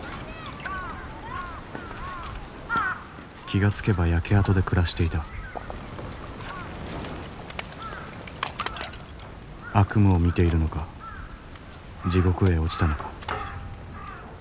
気が付けば焼け跡で暮らしていた悪夢を見ているのか地獄へ落ちたのか。